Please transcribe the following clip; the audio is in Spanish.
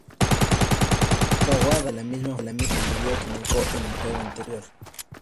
Kawada muere de la misma forma que murió Keiko en el juego anterior.